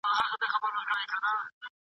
که څوک استقامت ونه کړي، د شيطان اغېزه زياته کېږي.